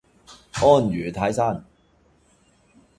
安如泰山